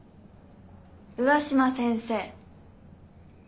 上嶋先生。